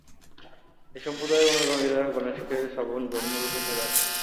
এই সম্প্রদায়ের অনুগামীরা গণেশকে সগুণ ব্রহ্ম রূপে পূজা করে।